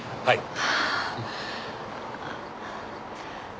はい。